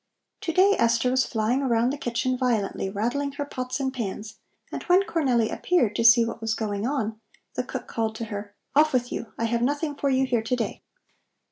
To day Esther was flying around the kitchen violently rattling her pots and pans, and when Cornelli appeared, to see what was going on, the cook called to her: "Off with you! I have nothing for you here to day.